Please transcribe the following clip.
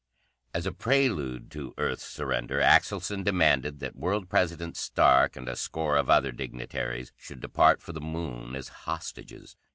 As a prelude to Earth's surrender, Axelson demanded that World President Stark and a score of other dignitaries should depart for the Moon as hostages.